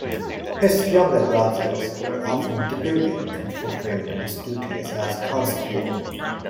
His younger brothers were often deputed to fulfill his duties as Constable.